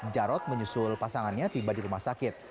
jarod menyusul pasangannya tiba di rumah sakit